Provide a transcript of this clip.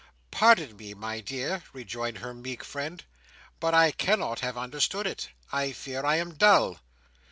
"Pardon me, my dear," rejoined her meek friend; "but I cannot have understood it. I fear I am dull."